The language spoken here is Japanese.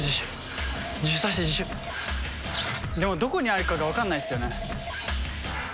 でもどこにあるかが分かんないっすよね。